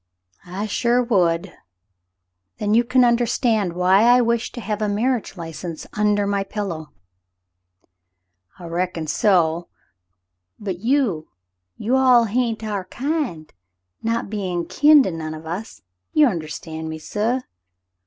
" I sure would." "Then you can understand why I wish to have a mar riage license under my pillow." "I reckon so — but — you — you all hain't quite our kind — not bein' kin to none of us — You understand me, suh.